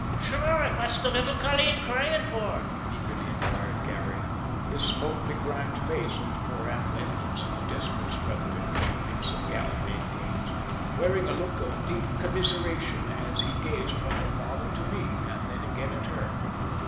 Sure, an' what's the little colleen cryin' for? eagerly inquired Garry, his smoke begrimed face, which bore ample evidence of the desperate struggle in which he had been so gallantly engaged, wearing a look of deep commiseration as he gazed from her father to me, and then again at her.